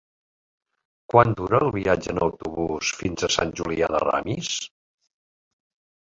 Quant dura el viatge en autobús fins a Sant Julià de Ramis?